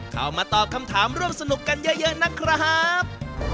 เข้ามาตอบคำถามร่วมสนุกกันเยอะนะครับ